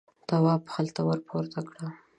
تواب خلته ور پورته کړه.